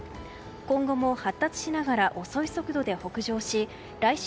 今後も発達しながら遅い速度で北上し来週